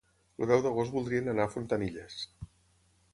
El deu d'agost voldrien anar a Fontanilles.